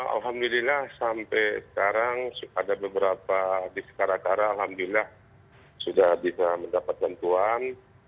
alhamdulillah sampai sekarang ada beberapa di sekarat kara alhamdulillah sudah bisa mendapat bantuan